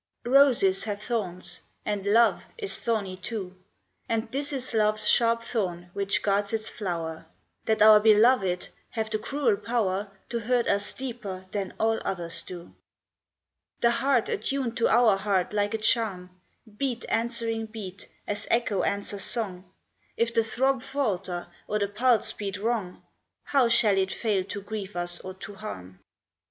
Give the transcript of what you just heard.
OSES have thorns, and love is thorny too ; And this is love s sharp thorn which guards its flower, That our beloved have the cruel power To hurt us deeper than all others do. The heart attuned to our heart like a charm, Beat answering beat, as echo answers song, If the throb falter, or the pulse beat wrong, How shall it fail to grieve us or to harm